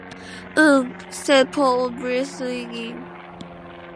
“Um!” said Paul, breathing in.